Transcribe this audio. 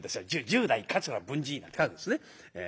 「十代桂文治」なんて書くんですね。